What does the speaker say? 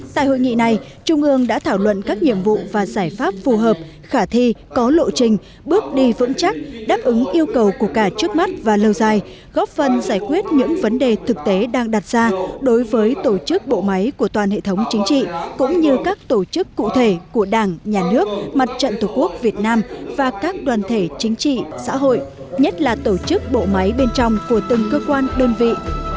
tại hội nghị này trung ương đã thảo luận các nhiệm vụ và giải pháp phù hợp khả thi có lộ trình bước đi vững chắc đáp ứng yêu cầu của cả trước mắt và lâu dài góp phần giải quyết những vấn đề thực tế đang đặt ra đối với tổ chức bộ máy của toàn hệ thống chính trị cũng như các tổ chức cụ thể của đảng nhà nước mặt trận tổ quốc việt nam và các đoàn thể chính trị xã hội nhất là tổ chức bộ máy bên trong của từng cơ quan đơn vị